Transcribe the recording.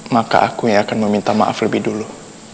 maka aku yang akan meminta maaf lebih dulu